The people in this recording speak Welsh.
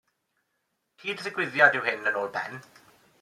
Cyd-ddigwyddiad yw hyn yn ôl Ben.